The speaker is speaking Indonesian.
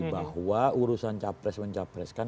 bahwa urusan cawapres mencawapreskan